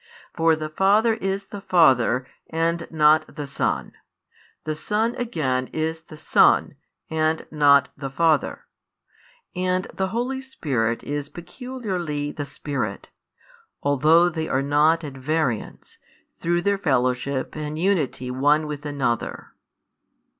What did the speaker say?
For the Father is the Father and not the Son; the Son again is the Son and not the Father; and the Holy Spirit is peculiarly the Spirit: although They are not at variance, through Their fellowship and unity One with Another.